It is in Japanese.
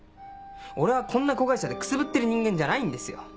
俺はこんな子会社でくすぶってる人間じゃないんですよ！